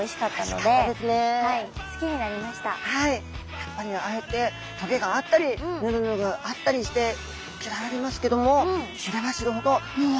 やっぱりああやってトゲがあったりヌルヌルあったりして嫌われますけども知れば知るほどうわ